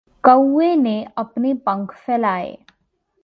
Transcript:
कौवे ने अपने पंख फैलाये।